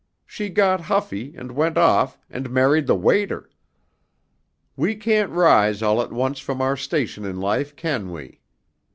She got huffy and went off and married the waiter. "We can't rise all at once from our station in life, can we?